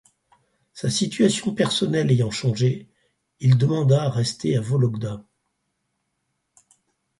Sa situation personnelle ayant changé il demanda à rester à Vologda.